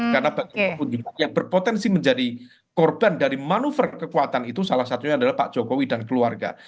karena bagaimanapun juga yang berpotensi menjadi korban dari manuver kekuatan itu salah satunya adalah pak jokowi dan keluarga